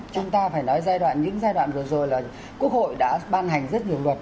chúng ta phải nói giai đoạn những giai đoạn vừa rồi là quốc hội đã ban hành rất nhiều luật